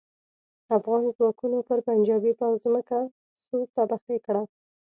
افغان ځواکونو پر پنجاپي پوځ ځمکه سور تبخی کړه.